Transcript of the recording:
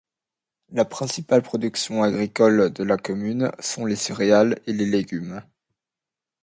La principale production agricole de la commune sont les céréales et les légumes.